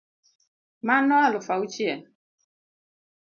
Mano alufu achiel